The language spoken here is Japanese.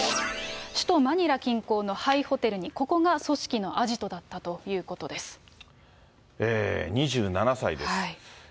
首都マニラ近郊の廃ホテルに、ここが組織のアジトだったというこ２７歳です。